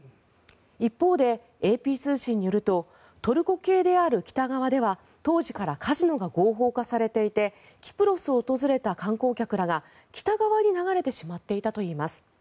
一方でＡＰ通信によるとトルコ系である北側では当時からカジノが合法化していてキプロスを訪れた観光客らが北側に流れてしまったといいます。